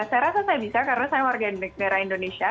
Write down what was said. saya rasa saya bisa karena saya warga negara indonesia